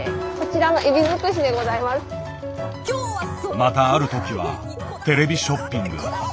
またあるときはテレビショッピング。